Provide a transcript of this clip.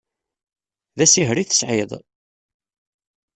D asiher i tesɛiḍ?